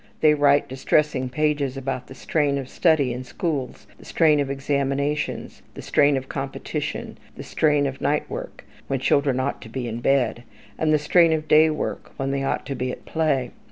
They write distressing pages about the strain of study in schools, the strain of examinations, the strain of competition, the strain of night work, when children ought to be in bed, the strain of day work, when they ought to be at play.